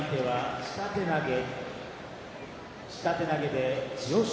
下手投げで千代翔